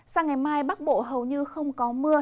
sang ngày mai bắc bộ hầu như không có mưa